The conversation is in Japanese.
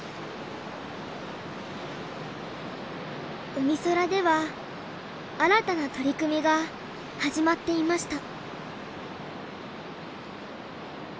うみそらでは新たな取り組みが始まっていました。